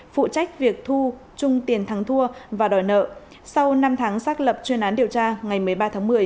phụ trách việc thu trung tiền thắng thua và đòi nợ sau năm tháng xác lập chuyên án điều tra ngày một mươi ba tháng một mươi